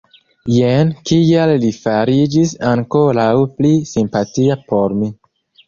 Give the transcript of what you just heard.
Jen kial li fariĝis ankoraŭ pli simpatia por mi.